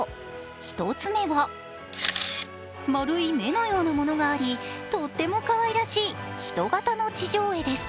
１つ目は、丸い目のようなものがありとってもかわいらしい人型の地上絵です。